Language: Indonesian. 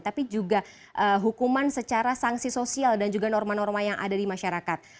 tapi juga hukuman secara sanksi sosial dan juga norma norma yang ada di masyarakat